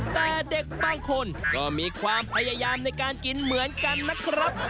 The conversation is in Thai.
แต่เด็กบางคนก็มีความพยายามในการกินเหมือนกันนะครับ